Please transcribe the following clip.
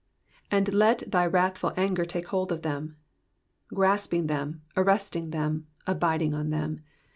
*'And let thy wrathful anger take hold of them,"*^ Grasping them, arresting them, abiding on them.